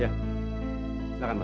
pak selamat tidur